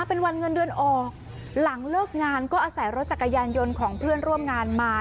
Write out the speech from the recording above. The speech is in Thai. เป็นวันเงินเดือนออกหลังเลิกงานก็อาศัยรถจักรยานยนต์ของเพื่อนร่วมงานมา